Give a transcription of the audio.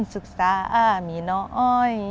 ศึกษามีน้อย